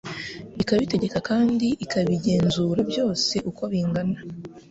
ikabitegeka kandi ikabigenzura byose uko bingana.